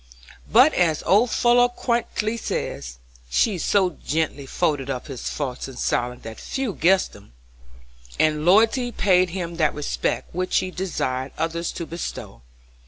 But, as old Fuller quaintly says, "She so gently folded up his faults in silence that few guessed them," and loyally paid him that respect which she desired others to bestow.